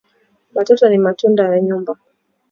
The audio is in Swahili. Ba toto ni matunda ya nyumba